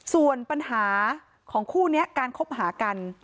ส่วนปัญหาของคู่นี้การคบหากัน